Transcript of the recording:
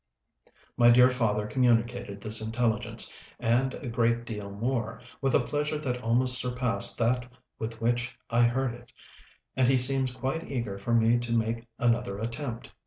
My dear father communicated this intelligence, and a great deal more, with a pleasure that almost surpassed that with which I heard it, and he seems quite eager for me to make another attempt.